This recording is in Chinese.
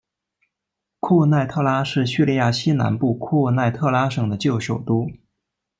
库奈特拉是叙利亚西南部库奈特拉省的旧首都。